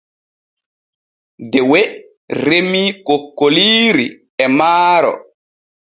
Dewe remii kokkoliiri e maaro.